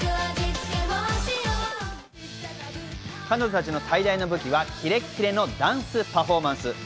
彼女たちの最大の武器はキレッキレのダンスパフォーマンス。